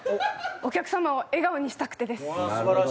お客様を笑顔にしたくてです。